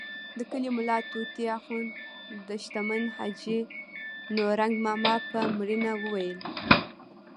د کلي ملا طوطي اخند د شتمن حاجي نورنګ ماما په مړینه وویل.